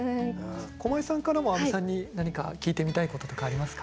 駒井さんからも阿部さんに何か聞いてみたいこととかありますか？